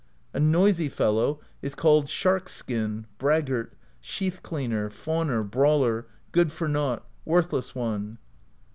A noisy fellow is called Shark Skin, Braggart, Sheath Cleaner, Fawner, Brawler, Good for Naught, Worthless One.